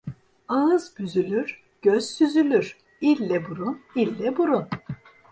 Ağız büzülür, göz süzülür, ille burun, ille burun.